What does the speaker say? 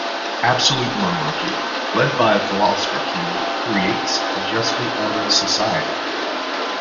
Absolute monarchy, led by a philosopher-king, creates a justly ordered society.